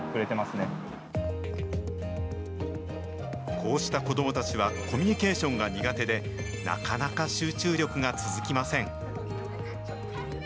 こうした子どもたちはコミュニケーションが苦手で、なかなか集中力が続きません。